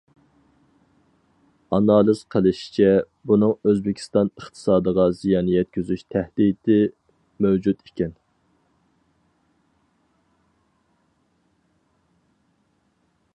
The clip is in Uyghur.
ئانالىز قىلىشىچە بۇنىڭ ئۆزبېكىستان ئىقتىسادىغا زىيان يەتكۈزۈش تەھدىتى مەۋجۇت ئىكەن.